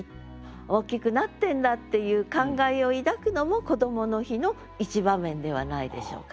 大きくなってんだっていう感慨を抱くのもこどもの日の一場面ではないでしょうかと。